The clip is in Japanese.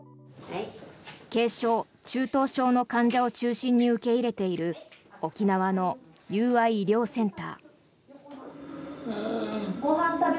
軽症・中等症の患者を中心に受け入れている沖縄の友愛医療センター。